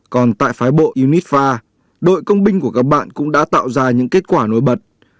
còn tại phái bộ unifa đội công binh của các bạn cũng đã tạo ra những kết quả nổi bật